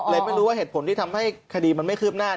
ไม่รู้ว่าเหตุผลที่ทำให้คดีมันไม่คืบหน้า